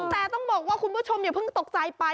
แต่ต้องบอกว่าคุณผู้ชมอย่าเพิ่งตกใจไป